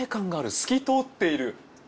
透き通っている。